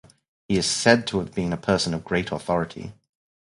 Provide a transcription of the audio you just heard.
He is said to have been a person of great authority.